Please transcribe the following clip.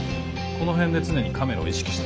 この辺で常にカメラを意識して。